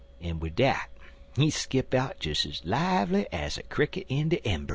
en wid dat he skip out des ez lively ez a cricket in de embers."